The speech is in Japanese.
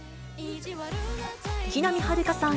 木南晴夏さん